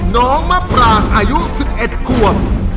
น้องมะปรางอายุ๑๑ควบ